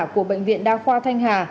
của bệnh viện đa khoa thanh hà